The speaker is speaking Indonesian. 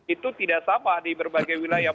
itu tidak sama di berbagai wilayah